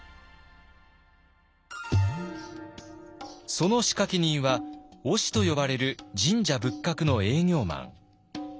その仕掛け人は御師と呼ばれる神社仏閣の営業マン。